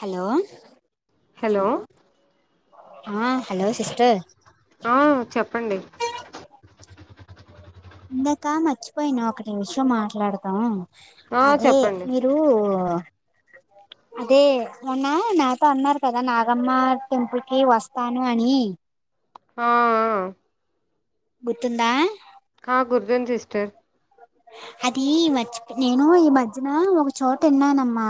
Hello hello ఆ hello sister ఆ చెప్పండి ఇందాకా మర్చిపోయి న ఒకటి విషయం మాట్లాడదాం. ఆ అదే చెప్పండి మీరు [inaudible] అదే మొన్న నాతో అన్నారు కదా నాగమ్మ టెంపుల్ కి వస్తాను అని. ఆఆ గుర్తుందా? ఆ గుర్తుంది సిస్టర్. అది ఈ వచ్చి నేను ఈ మధ్యన ఒక చోట విన్నానమ్మా.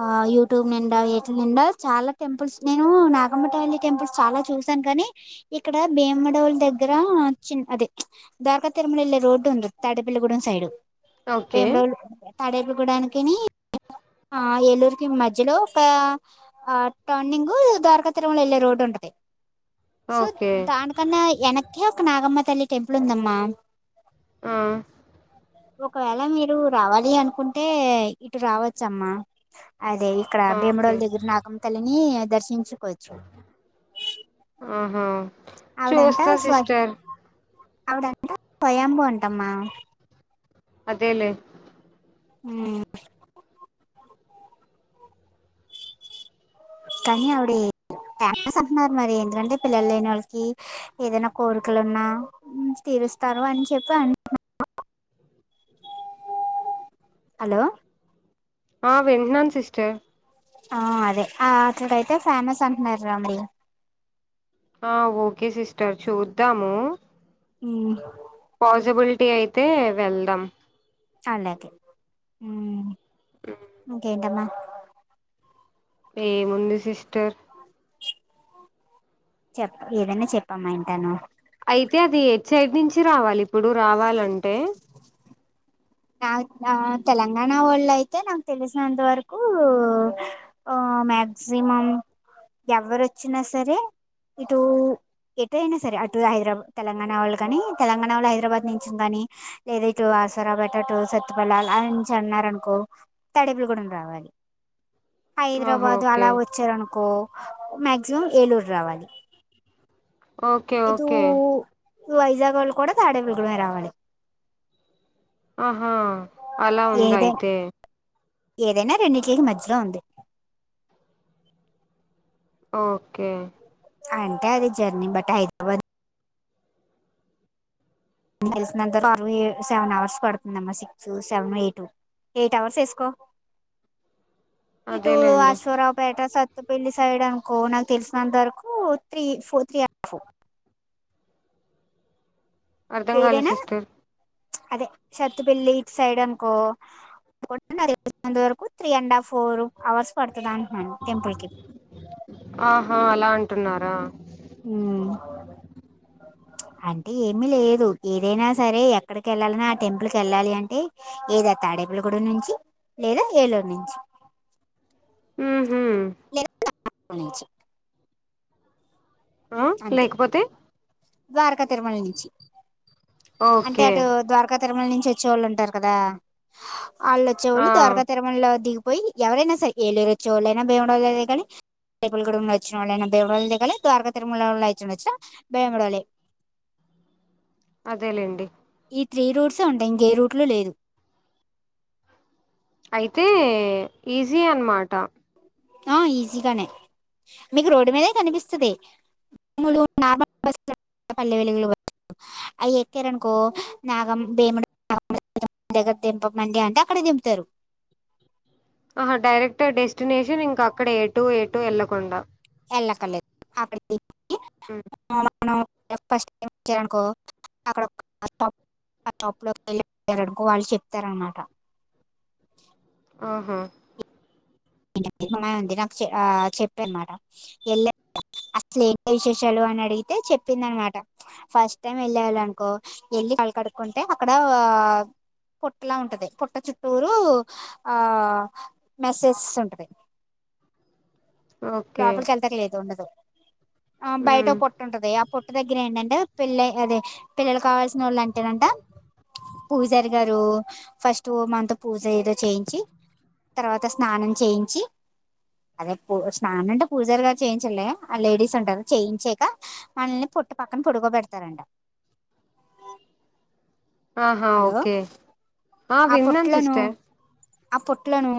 ఆ యూట్యూబ్ నిండా ఏటి నిండా చాలా టెంపుల్స్, నేను నాగమ తల్లి టెంపుల్స్ చాలా చూస్ సాను గని ఇక్కడ భీమడోలు దగ్గర చిన్ అదే, ప్చ్ ద్వారక తిరుమల ఎల్లే రోడ్డు ఉం తాడేపల్లిగూడెం సైడు, ఓకే భీమాడోలు తాడేకుగూడానికిని ఆ ఏల్లూరుకి మధ్యలో ఒక ఆ టర్నింగ్ ద్వారక తిరుమల వెళ్ళే రోడ్డు ఉంటది [inaudible] సో ఓకే దానికన్నా వెనకే ఒక నాగమ్మ తల్లి టెంపుల్ ఉందమ్మా ఆ ఒకవేళ మీరు రావాలి అనుకుంటే ఇటు రావచ్చ అమ్మా అదే ఇక్కడ ఆ, భీమడోళ దగ్గర నాగమ తల్లిని దర్శించు ఆహో ఆవిడంట చూస్త స్వ సిస్టర్ ఆవిడంట కోయాంబూ అంటమ్మా అదేలే ఆ [inaudible] కానీ ఆవిడే టైంస్ అంటున్నారు మరి ఏంటంటే పిల్లలు అయిన వాళ్ళకి ఏదైనా కోరికలు ఉన్నా తీిరుస్తారు అని చెప్పి అ [inaudible] హలో ఆ వింటున్నాను సిస్టర్ ఆ అదే ఆ అక్కడయితే ఫేమస్ అంటున్నారు రా మరి ఆ ఓకే సిస్టర్ చూద్దాము అ పాసిబిలిటీ అయితే వెళ్దాం అలాకేకేంటమ్మా ఏముంది సిస్టర్ చెప్ప ఏదైనా చెప్పమ్మా ఇంటాను అయితే అది ఎడ్ సైడ్ నుంచి రావాలి ఇప్పుడు రావాలంటే నా తెలంగాణ వాళ్ళు అయితే నాకు తెలిసినంత వరకు ఆ మ్యాక్సిమం ఎవరు వచ్చినా సరే ఇటు ఎటు అయినా సరే అటు హైదరాబాద్ తెలంగాణ వాళ్ళు గానీ తెలంగాణ వాళ్ళు హైదరాబాద్ నుంచి కాని లేదా ఇటు ఆసరాబట్ అటు సత్యపల్లా అయంచి అన్నార అనుకో తడపులు కూడా రావాలి ఆహా హైదరాబాదు ఓకే అలా వచ్చారనుకో మక్సిమం ఏలూరు రావాలి ఓకే ఇటు ఓకే వైజాగ్ వాళ్ళు కూడా తాడేవిలుగుమే రావాలి ఆహా అలా ఉంది ఏదై అయితే ఏదైనా రెండింటికి మధ్యలో ఉంది ఓకే అంటే అది జర్నీ బట్ హైదరాబాద్ తెలిసినంత సెవెన్ అవర్స్ పడుతుందమ్మా six seven eight eight hours వేసుకో ఇటు అదేలేండి ఆశ్వరావు పేట సత కొత్త పెళ్లి సైడ్ అనుకో నాకు తెలిసినంత వరకు three four three and four అర్ధం కాల ఏదైనా సిస్టర్ అదే సత్తుపల్లి సైడ్ అనుకో వరకు three and half four hours పడుతదానను టెంపుల్కి ఎలా అంటున్నారా హ అంటే ఏమిీ లేదు ఏదైనా సరే ఎక్కడికి వెళ్ళాలన్నా ఆ టెంపుల్ క వెళ్ళాలి అంటే ఏదత ఆడేపులగూడె నుంచి లేదా ఏలూరు నుంచి ఊహు [unintelligible] ఆ అంతే లేకపోతే ద్వారకా తిరుమల నుంచి అంటే ఓకే అటు ద్వారకా తిరుమల నుంచి వచ్చేవాళ్ళు ఉంటారు కదా ఆళ్ళు ఆ చ్చేవాళ్ళు ద్వారకా తిరుమలలో దిగు పోయి ఎవరైనా సరె ఏలూరు వచ్చోళ్ళైనా బీమవరంలో దిగాలి బేపుల్గూడంలో వచ్చిన వాళ్ళైనా భయమిడళ దిగలి ద్వారక తిరుమల వచ్చిన వచ్చినా భయబడాలి. అదేలేండి ఈ త్రీ రూట్సే ఉంటాయ్ ఇంకే రూట్లు లేదు అయితే ఈజీయె అన్నమాట ఆ ఈజీగానే మీకు రోడ్డు మీదే కనిపిస్తది నమ [inaudible] పల్లె వెలుగులు అవి ఎక్కారనుకో నాగం భేముడు దగ్గర దింపమండి అంటే అక్కడే దింపుతారు ఆహా డైరెక్ట్ డెస్టినేేషన్ ఇంకా అక్కడె ఎటు ఎటు ఎళ్ళకుండా ఎల్లక్కర్లేదు అక్కడ దిగి మ్, [inaudible] మనం ఫస్ట్ టైం వచ్చారనుకో అక్కడ బస్స్టాప్ ఆ షాప్లోకి వెళ్ళిఅడిగారనుకో వాళ్ళు చెప్తారనమాట ఆహా అమ్మాయి ఉంది నాకు చె ఆ చెప్ప అనమాట వెళ్ళ అసలు ఏంటి విశేషాలు అని అడిగితే చెప్పింద నమాట ఫస్ట్ టైం వెళ్ళాలి అనుకో కాలు కడుక్ంటే అక్కడ [unintelligible] పుట్లా ఉంటది పుట్ట చుట్టూరు ఆ మెసెస్ తుంటది ఓకే లోపలికి వెళ్తేలేదు ఉండదు ఆ బయటె మ్మ్ ఓ పుట్టు ఉంటది ఆ పొట్టు దగ్గర ఏంటంటే పిల్లై అదే పిల్లలు కావాల్సినోళ్ళు అంటేనంట పూజారి గారు ఫస్టుఓ మనతో పూజ ఏదో చేయించి తర్వాత స్నానం చేయించి అదే పూ స్నానం అంటే పూజారుగా చేయించరులే ఆ లేడీస్ ఉంటారు చేయించెక మళ్ళి పుట్ట పక్కన పొడుకో బెడతారంట ఆహా హలో ఓకే ఆ విన్నాన్ సిస్టర్ ఆ పుట్లోను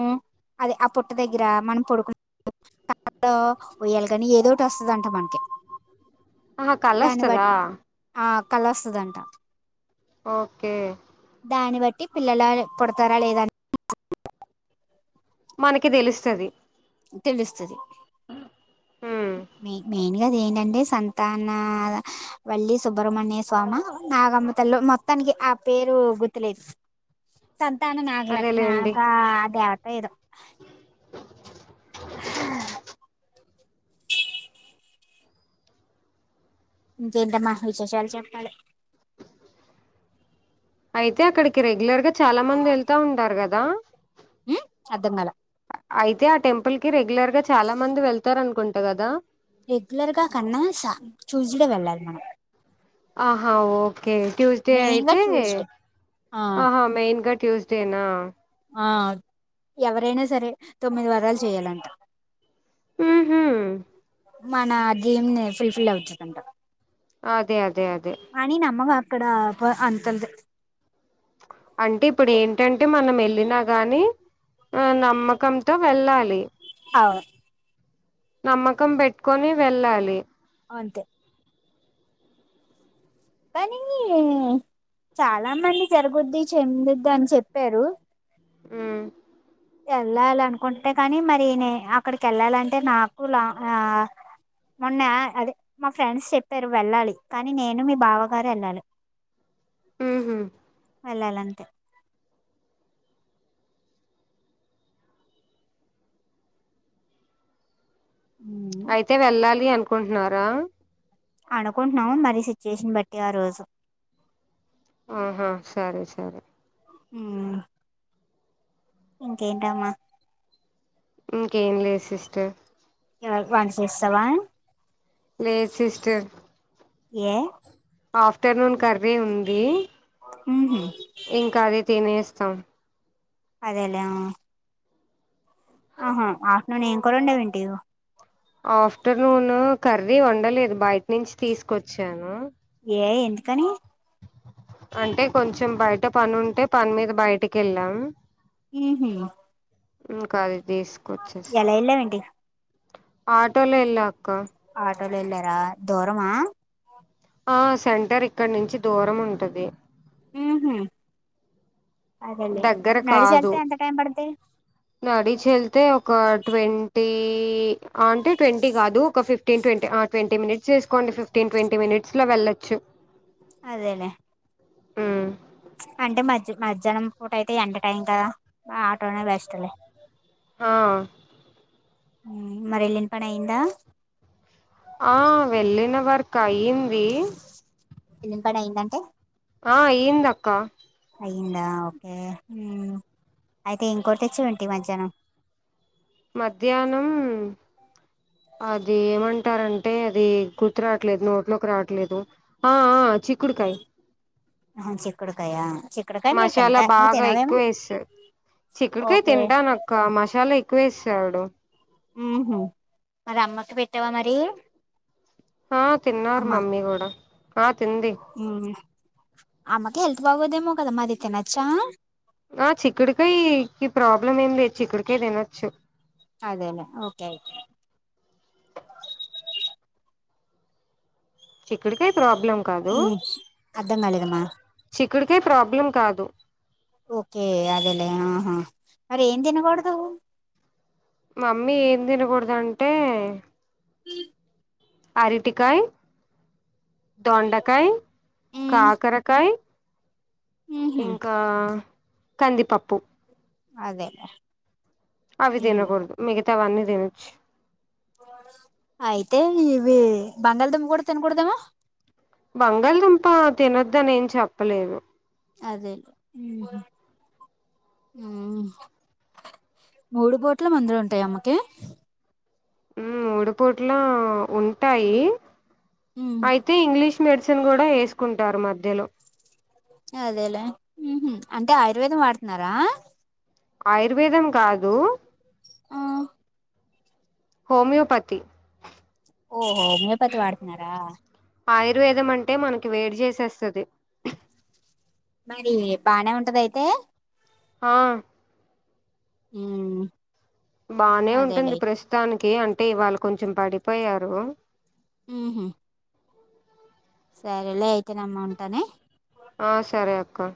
అదే ఆ పుట్ట దగ్గర మనం పొడుకు [unintelligible] ఉయ్యాల గని ఏదోటి వస్తుదంట మనకి ఆహ కలొస్తద కళస్తదంట ఓకే దాన్ని బట్టి పిల్లల పుడతారా లేద అని మనకి దెలుస్తది తెలుస్తది మ్మ్ మీ మెయిన్ గా అది ఏంటంటే సంతాన వల్లి సుబ్రహ్మణ్య స్వామ నాగమ్మతల్లో మా మొత్తానికి ఆ పేరు గుత్తులేదు సంతాన నాగలక్ష్మ అదేలేండి కా దేవత ఏదో ఆ ఇంకేంటమ్మ విశేషాలు చెప్పాలి అయితే అక్కడికి రెగ్యులర్ గా చాలా మంది ఎళ్తా ఉంటారు గదా ఉమ్ అర్థం కాల అయితే ఆ టెంపుల్ కి రెగ్యులర్ గా చాలా మంది వెళ్తారు అనుకుంటా గదా రెగ్యులర్ గా కన్నా సా చూజ్ డే వెళ్ళాలి మనం ఆహా ఓ ఓకే ట్యూస్డే మెయిన్ గా అయితే ట్యూస్డే ఆ ఆహా మెయిన్ గా ట్యూస్డేనా ఆ ఎవరైనా సరే తొమ్మిది వారాలు చేయ్యాలంట ఉహుమ్ మన డ్రీమ్ ఫుల్ ఫిల్ అవుతదంట అదే అదే అదే అని నమ్మకం అక్కడ అంత అంతె అంటే ఇప్పుడు ఏంటంటే మనం వెళ్ళినా గానీ ఆ నమ్మకంతో వెళ్ళాలి అవు నమ్మకం పెట్టుకొని వెళ్ళాలి అంతే కానీ చాలా మంది జరుగుద్ది చెందుద్ది అని చెప్పారు ఉమ్ వెళ్ళాలి అనుకుంటే కానీ మరి నే అక్కడికి వెళ్ళాలంటే నాకు లా మొన్న అదే మా ఫ్రెండ్స్ చెప్పారు వెళ్ళాలి కానీ నేను మీ బావగారు వెళ్ళాలి ఉహుమ్ వెళ్ళాలంటే అయితే వెళ్ళాలి అనుకుంటున్నారా అనుకుంటున్నాము మరి సిచ్యుయేషన్ బట్టి ఆ రోజు ఉహుమ్ సరే సరే ఆమ్ ఇంకేటి అమ్మా ఇంకేం లేదు సిస్టర్ వంట చేసేసావా లేదు సిస్టర్ ఏ ఆఫ్టర్నూన్ కర్రీ ఉంది ఉహుమ్ ఇంకా అది తినేస్తాం అదేలేే ఆ ఆహా ఆఫ్టర్నూన్ ఏం కూర వండా వేంటి ఆఫ్టర్నూన్ కర్రీ వండలేదు బయట నుంచి తీసుకొచ్చాను ఏ ఎందుకని అంటే కొంచెం బయట పని ఉంటే పని మీద బయటికి వెళ్ళాం ఉహుమ్ ఉమ్ కర్రి తీసుకొచ్చేసా వెళ్ళావేంటి ఆటోలో వెళ్ళా అక్క ఆటోలో వేళ్ళారా దూరమా ఆ సెంటర్ ఇక్కడ నుంచి దూరం ఉంటది ఉహుమ్ అదలే దగ్గర నడిసి కాదు వేల్తే ఎంత టైమ్ పడది నడిచి వెళ్తే ఒక ట్వంటీ అంటే ట్వంటీ కాదు ఒక ఫిప్ ఫిఫ్టీన్ ట్వంటీ ఆ ట్వంటీ మినిట్ వేసుకోండి ఫిఫ్టీన్ ట్వంటీ మినిట్స్ లో వెళ్ళొచ్చు అదేలే ఆమ్ అంటే మధ్య మధ్యాహ్నం పూట అయితే ఎండ టైం కదా ఆటోనే బెస్ట్ లే ఆ ఉమ్ మరి వెళ్ళినా పని అయిందా ఆ వెళ్ళిన వర్క్ అయింది వెళ్ళిన పని అయిందంటే ఆ ఏంద అక్క అయందా ఓకే అయితే ఇంకోటి తెచ్చే ఏంటి మధ్యాహ్నం మధ్యాహ్నం అది ఏమంటారంటే అది గుర్తు రాట్లేదు నోట్లోకి రావట్లేదు ఆ చిక్కుడుకాయ ఆ చిక్కుడుకాయ చిక్కుడుకాయ మీరు మసాలా తింటా నువ్వు బాగా తినవేమో ఎక్కువ వేస్తది చిక్కుడుకాయ ఓకే తింటానక్క మశలా ఎక్కువ ఎసేశాడు ఉహ మరి అమ్మకి పెట్టావా మరి ఆ తిన్నారు అమ్మ మమ్మీ కూడా ఆ తింది అమ్కు హెల్త్ బాగోదేమో కదా మాదితేనాచ్చా ఆ చిక్కుడుకాయ కి ప్రాబ్లం ఏం లేదు చిక్కుడుకాయ తినొచ్చు అదేలే ఓకే యితే చిక్కుడుకాయ్ ప్రాబ్ ఉ అర్థంగాళిదమ్మా చిక్కుడుకాయ ప్రాబ్లం కాదు. ఓకే అదేలే ఆహా మరి ఏం తినకూడదు మమ్మీ ఏం తినకూడదు అంటే ఈ అరిటికాయ దొండకాయ ఉమ్ కాకరకాయ ఉహు ఇంకా కందిపప్పు అదేలేే అవి తినకూడదు మిగతా అవన్నీ తినొచ్చు అయితే ఇవి బంగాళదమ్ము కూడా తినకూడదేమో బంగాళదుంప తినొద్దని ఏం చెప్పలేదు అదేలే మూడు పూటల మందులు ఉంటాయి అమ్మకి మూడుపోట్లో ఉంటాయి ఉమ్ అయితే ఇంగ్లీష్ మెడిసిన్ కూడా వేసుకుంటారు మధ్యలో అదేలే ఉహూ అంటే ఆయుర్వేదం వాడుతున్నారా ఆయుర్వేదం కాదు ఆ హోమియోపతి ఓహో హోమియోపతి వాడుతున్నారా ఆయుర్వేదం అంటే మనకి వేడి చేసేస్తది మరి బానే ఉంటదా అయితే ఆ ఉమ్మ్ బానే ఉంటుంది ప్రస్తుతానికి అంటే ఇవాళ కొంచెం పడిపోయారు ఉహూ సరేలే అయితేనమ్మ ఉంటానే ఆ సరే అక్క